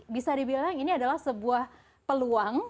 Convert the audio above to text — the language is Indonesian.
bisa dibilang ini adalah sebuah peluang